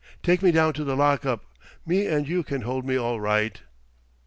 Take me down to the lock up. Me and you can hold me all right."